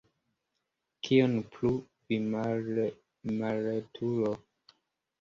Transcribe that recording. Kion plu, vi mallertulo!